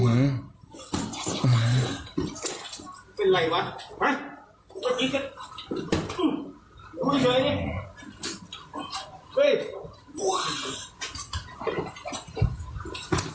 มันเยอะเฉย